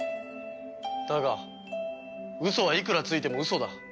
だがウソはいくらついてもウソだ。